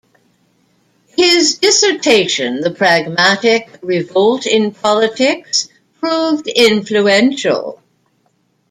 His dissertation "The Pragmatic Revolt in Politics" proved influential.